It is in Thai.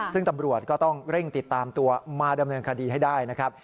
ซึ่งตำรวจก็ต้องเร่งติดตามตัวมาดำเนินคดีให้ได้นะครับ